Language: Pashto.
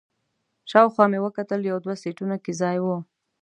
شاوخوا مې وکتل، یو دوه سیټونو کې ځای و.